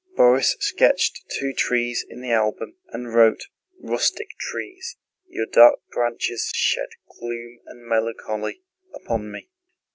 Borís sketched two trees in the album and wrote: "Rustic trees, your dark branches shed gloom and melancholy upon me."